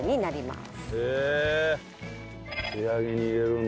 仕上げに入れるんだ。